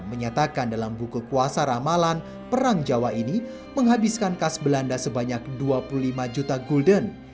menyatakan dalam buku kuasa ramalan perang jawa ini menghabiskan khas belanda sebanyak dua puluh lima juta gulden